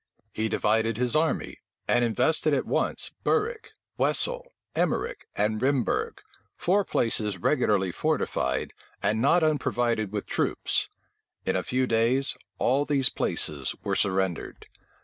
He divided his army, and invested at once Burik, Wesel, Emerik, and Rhimberg, four places regularly fortified, and not unprovided with troops: in a few days, all these places were surrendered.